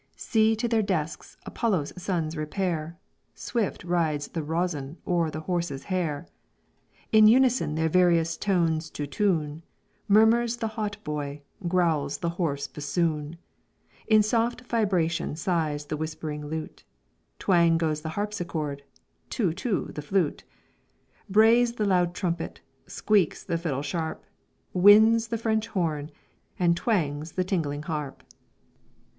"See to their desks Apollo's sons repair Swift rides the rosin o'er the horse's hair! In unison their various tones to tune, Murmurs the hautboy, growls the hoarse bassoon. In soft vibration sighs the whispering lute, Twang goes the harpsicord, too too the flute, Brays the loud trumpet, squeaks the fiddle sharp, Winds the French horn, and twangs the tingling harp."